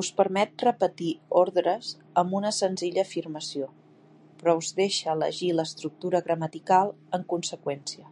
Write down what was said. Us permet repetir ordres amb una senzilla afirmació, però us deixa elegir l'estructura gramatical en conseqüència.